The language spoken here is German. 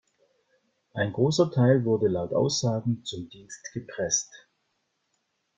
Ein großer Teil wurde laut Aussagen zum Dienst gepresst.